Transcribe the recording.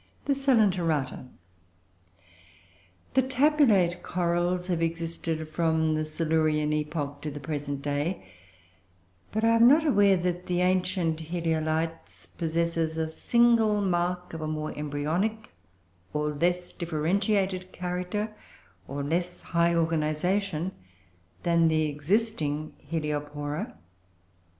The COELENTERATA. The Tabulate Corals have existed from the Silurian epoch to the present day, but I am not aware that the ancient Heliolites possesses a single mark of a more embryonic or less differentiated character, or less high organisation, than the existing Heliopora.